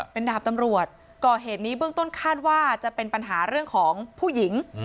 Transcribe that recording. เป็นดาบตำรวจก่อเหตุนี้เบื้องต้นคาดว่าจะเป็นปัญหาเรื่องของผู้หญิง